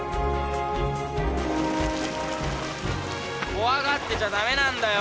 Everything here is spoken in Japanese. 怖がってちゃダメなんだよ。